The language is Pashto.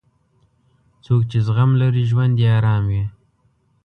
څوک چې زغم لري، ژوند یې ارام وي.